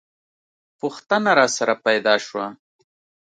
پوښتنه راسره پیدا شوه.